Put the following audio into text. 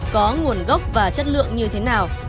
có nguồn gốc và chất lượng như thế nào